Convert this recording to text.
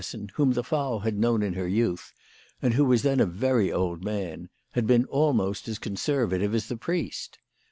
15 Schlessen whom, the Frau had known in her youth, and who was then a very old man, had been almost as Con servative as the priest.